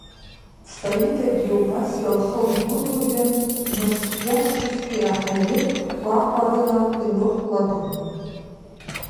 Саидагьы убасшәақәа лхы лбон уажәы, мышцәгьашьҭахьтәи аҳаир гәахәарыла илыхәлаго.